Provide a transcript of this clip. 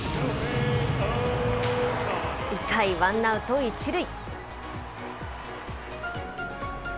１回ワンアウト１塁。